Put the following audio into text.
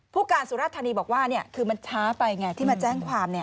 ผู้การสุรธานีบอกว่าคือมันช้าไปไงที่มาแจ้งความ